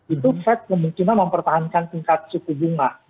itu fed kemungkinan mempertahankan tingkat suku bunga